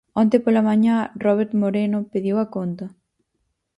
Onte pola mañá Robert Moreno pediu a conta.